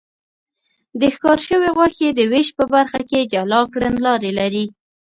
د ښکار شوې غوښې د وېش په برخه کې جلا کړنلارې لري.